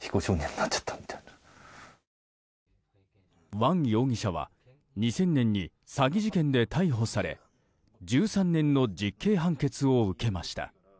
ワン容疑者は２０００年に詐欺事件で逮捕され１３年の実刑判決を受けました。